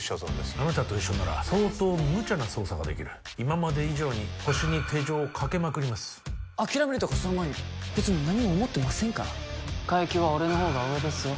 あなたと一緒なら相当むちゃな捜査ができる今まで以上にホシに手錠をかけまくります諦めるとかその前に別に何も思ってませんから階級は俺のほうが上ですよ